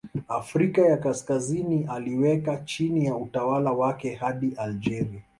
Afrika ya Kaskazini aliweka chini ya utawala wake hadi Algeria.